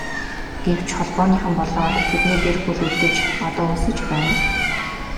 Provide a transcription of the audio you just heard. Гэвч Холбооныхон болоод тэдний гэр бүл үлдэж одоо өлсөж байна.